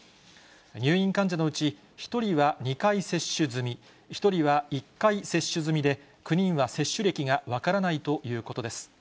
入院患者のうち１人は２回接種済み、１人は１回接種済みで、９人は接種歴が分からないということです。